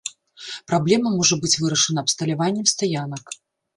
Праблема можа быць вырашана абсталяваннем стаянак.